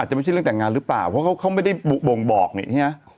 จะไม่ใช่เรื่องแต่งงานหรือเปล่าเพราะเขาไม่ได้บ่งบอกเนี่ยใช่ไหม